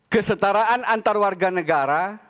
kesetaraan antar warga negara